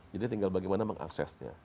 jadi tinggal bagaimana mengaksesnya